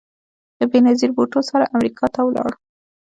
له بېنظیر بوټو سره امریکا ته ولاړ